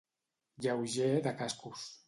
Lleuger de cascos.